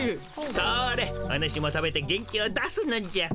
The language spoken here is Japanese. それおぬしも食べて元気を出すのじゃ。